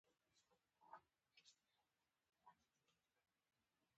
اوبه د مهربانۍ ښکارندویي ده.